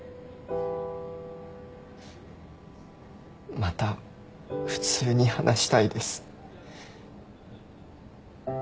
また普通に話したいです。